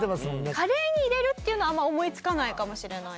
カレーに入れるっていうのはあんま思いつかないかもしれないです。